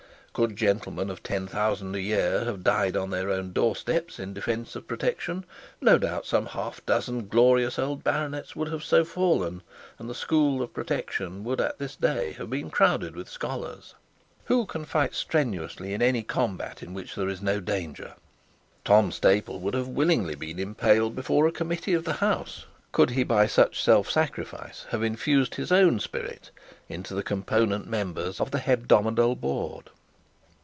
Could gentlemen of L 10,000 a year have died on their own door steps in defence of protection, no doubt some half dozen glorious old baronets would have so fallen, and the school of protection would at this day have been crowded with scholars. Who can fight strenuously in any combat in which there is no danger? Tom Staple would have willingly been impaled before a Committee of the House, could he by such self sacrifice have infused his own spirit into the component members of the hebdomadal board.